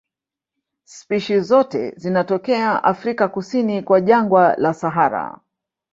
Spishi zote zinatokea Afrika kusini kwa jangwa la Sahara.